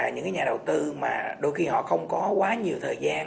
những nhà đầu tư mà đôi khi họ không có quá nhiều thời gian